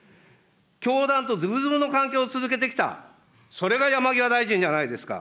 教団とずぶずぶの関係を続けてきた、それが山際大臣じゃないですか。